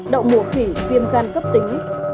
động mùa khỉ viêm gan cấp tính